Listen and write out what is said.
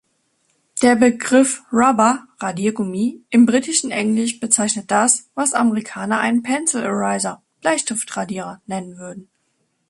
Der Begriff Rubber (Radiergummi) im britischen Englisch bezeichnet das, was Amerikaner einen Pencil Eraser (Bleistiftradierer) nennen würden.